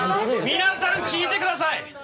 皆さん聞いてください！